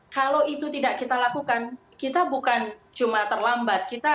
kalau itu tidak kita lakukan kita bukan cuma terlambat